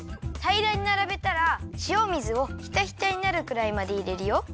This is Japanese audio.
たいらにならべたらしお水をひたひたになるくらいまでいれるよ。